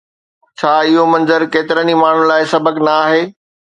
ڇا اهو منظر ڪيترن ئي ماڻهن لاءِ سبق نه آهي؟